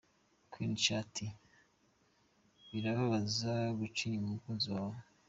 Queen cha ati: "Birababaza guca inyuma umukunzi wawe.